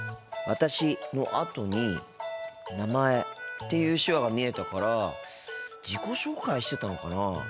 「私」のあとに「名前」っていう手話が見えたから自己紹介してたのかなあ。